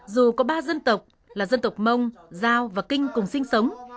dù có ba dân tộc là dân tộc mông giao và kinh cùng sinh sống